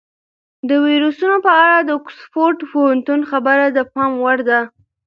د ویروسونو په اړه د اکسفورډ پوهنتون خبره د پام وړ ده.